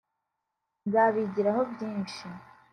nzabigiraho byinshi